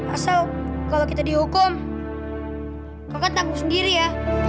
asal kalau kita dihukum kakak takut sendiri ya